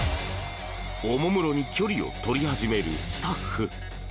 おもむろに距離を取り始めるスタッフ。